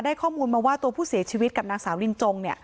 ข้อมูลมาว่าตัวผู้เสียชีวิตกับนางสาวลินจง